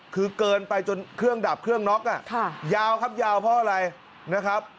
คือเกินไปจนเครื่องดับเครื่องน็อกยาวครับยาวเพราะอะไรนะครับ